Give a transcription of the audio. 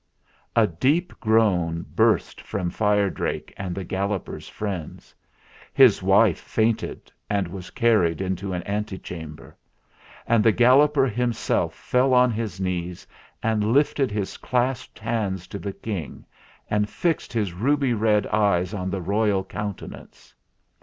A deep groan burst from Fire Drake and the Galloper's friends. His wife fainted and was carried into an ante chamber ; and the Galloper himself fell on his knees and lifted his clasped hands to the King, and fixed his ruby red eyes on the royal countenance.